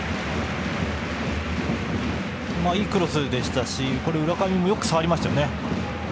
いいクロスでしたし浦上も、よく触りましたよね。